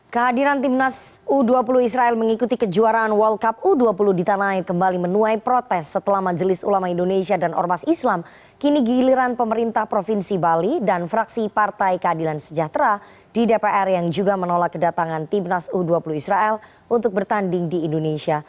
kehadiran timnas u dua puluh israel mengikuti kejuaraan world cup u dua puluh di tanah air kembali menuai protes setelah majelis ulama indonesia dan ormas islam kini giliran pemerintah provinsi bali dan fraksi partai keadilan sejahtera di dpr yang juga menolak kedatangan timnas u dua puluh israel untuk bertanding di indonesia